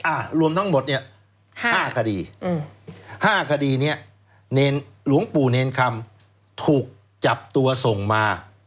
อ่ารวมทั้งหมด๕คดี๕คดีเนี่ยหลวงปู่เนียนคำถูกจับตัวส่งมา